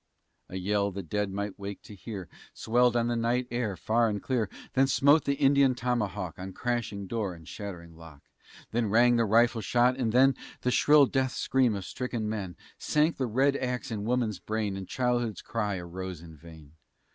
A yell the dead might wake to hear Swelled on the night air, far and clear; Then smote the Indian tomahawk On crashing door and shattering lock; Then rang the rifle shot, and then The shrill death scream of stricken men, Sank the red axe in woman's brain, And childhood's cry arose in vain.